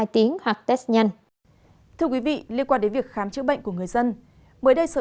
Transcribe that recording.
tiếng hoặc test nhanh thưa quý vị liên quan đến việc khám chữa bệnh của người dân mới đây sở